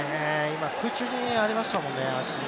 今、空中にありましたもんね、足。